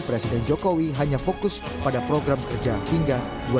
presiden jokowi hanya fokus pada program kerja hingga dua ribu dua puluh